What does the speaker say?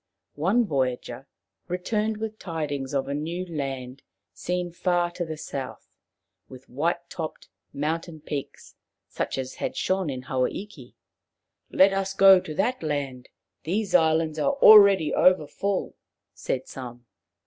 One voyager returned with tidings of a new land seen far to the south, with white topped mountain peaks such as had shone in Hawa iki. " Let us go to that land. These islands are already overfull/' said some.